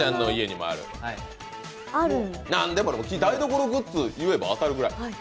台所グッズ言えば当たるぐらい。